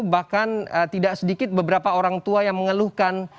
bahkan tidak sedikit beberapa orang tua yang mengeluhkan